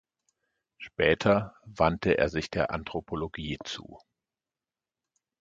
Später wandte er sich der Anthropologie zu.